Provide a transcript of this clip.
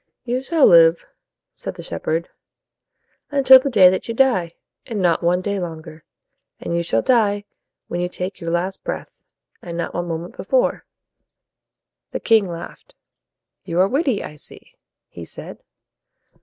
"You shall live," said the shepherd, "until the day that you die, and not one day longer. And you shall die when you take your last breath, and not one moment before." The king laughed. "You are witty, I see," he said.